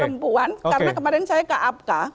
kepada seorang perempuan karena kemarin saya ke apk